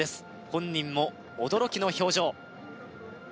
本人も驚きの表情